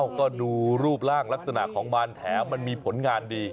ก็ดูรูปร่างลักษณะของมันแถมมันมีผลงานดี